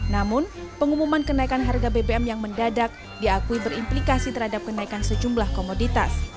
namun pengumuman kenaikan harga bbm yang mendadak diakui berimplikasi terhadap kenaikan sejumlah komoditas